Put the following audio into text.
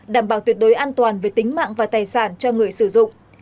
đảm bảo tuyệt đối an toàn về tính mạng và tài sản cho người sử dụng